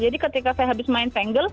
jadi ketika saya habis main fenggel